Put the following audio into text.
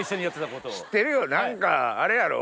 知ってるよ何かあれやろ？